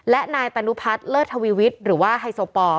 และนายตนุพัฒน์เลิศทวีวิทย์หรือว่าไฮโซปอล